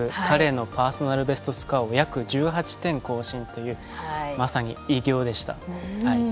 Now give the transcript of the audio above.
彼のパーソナルベストスコアを約１８点更新というまさに偉業でした。